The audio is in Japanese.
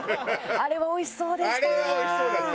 あれはおいしそうだった。